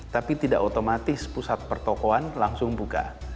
tapi tidak otomatis pusat pertokohan langsung buka